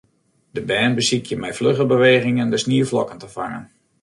De bern besykje mei flugge bewegingen de snieflokken te fangen.